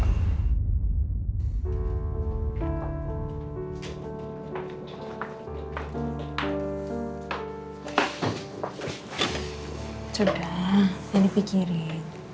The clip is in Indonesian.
tolong hubungi pak suprih